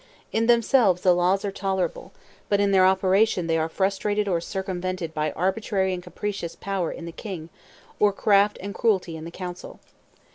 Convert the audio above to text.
In themselves the laws are tolerable; but in their operation they are frustrated or circumvented by arbitrary and capricious power in the king, or craft or cruelty in the Council.